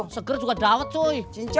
seger juga dawat cuy